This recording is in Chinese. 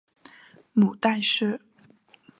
母戴氏。